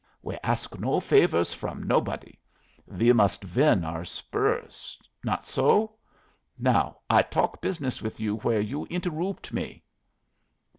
We ask no favors from nobody; we must win our spurs! Not so? Now I talk business with you where you interroopt me.